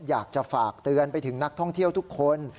อยากจะฝากเตือนไปถึงนักท่องเที่ยวทุกคน